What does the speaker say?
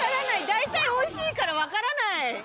大体おいしいから分からない！